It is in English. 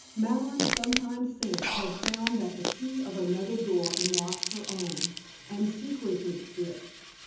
Madeleine, some time since, had found that the key of another door unlocked her own, and secreted it.